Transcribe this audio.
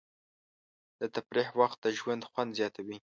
د تفریح وخت د ژوند خوند زیاتوي.